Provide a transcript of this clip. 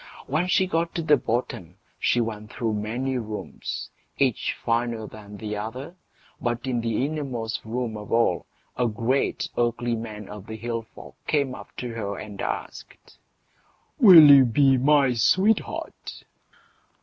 When she got to the bottom she went through many rooms, each finer than the other; but in the innermost room of all, a great ugly man of the hill folk came up to her and asked, "Will you be my sweetheart?"